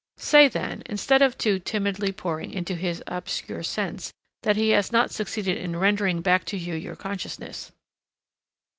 Say then, instead of too timidly poring into his obscure sense, that he has not succeeded in rendering back to you your consciousness.